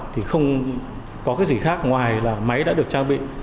thì không có cái gì khác ngoài là máy đã được trang bị